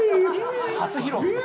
初披露ですか？